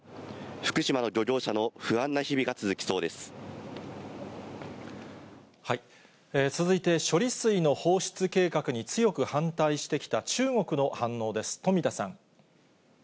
福島の漁業者の不安な日々が続き続いて、処理水の放出計画に強く反対してきた中国の反応です。